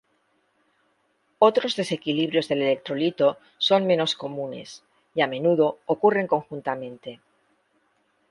Otros desequilibrios del electrolito son menos comunes, y a menudo ocurren conjuntamente.